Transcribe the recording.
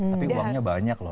tapi uangnya banyak loh